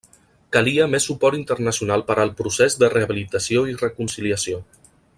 Calia més suport internacional per al procés de rehabilitació i reconciliació.